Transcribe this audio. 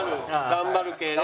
頑張る系ね。